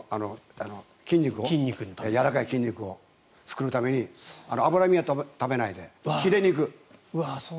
やわらかい筋肉を作るために脂身は食べないでひれ